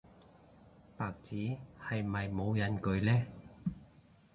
白紙係咪冇人舉嘞